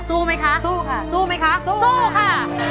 สู้ไหมคะสู้ค่ะสู้ไหมคะสู้ค่ะ